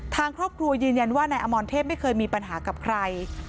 ทางครอบครัวยืนยันว่านายอมรเทพไม่เคยมีปัญหากับใคร